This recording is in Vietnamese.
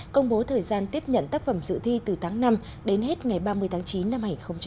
công bố thời gian tiếp nhận tác phẩm dự thi từ tháng năm đến hết ngày ba mươi tháng chín năm hai nghìn hai mươi